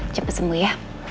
cepet sembuh ya